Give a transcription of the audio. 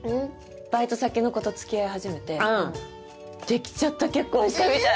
バイト先の子と付き合い始めてできちゃった結婚したみたい。